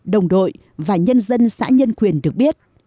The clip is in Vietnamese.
đồng đội và nhân dân xã nhân quyền được biết